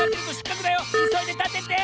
いそいでたてて！